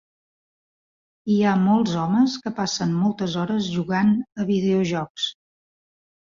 Hi ha molts homes que passen moltes hores jugant a videojocs.